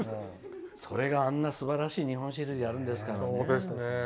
それがあんなすばらしい日本シリーズやるんですからね。